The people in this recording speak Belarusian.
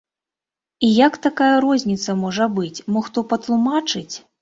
І як такая розніца можа быць, мо хто патлумачыць?